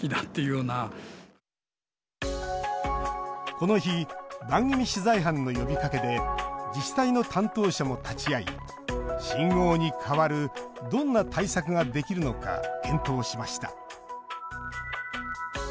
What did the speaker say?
この日番組取材班の呼びかけで自治体の担当者も立ち会い信号に代わるどんな対策ができるのか検討しました。